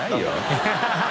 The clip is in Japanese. ハハハ